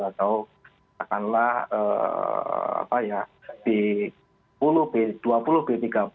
atau katakanlah b dua puluh b tiga puluh